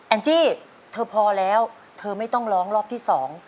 จี้เธอพอแล้วเธอไม่ต้องร้องรอบที่สอง